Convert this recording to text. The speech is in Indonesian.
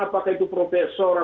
apakah itu profesor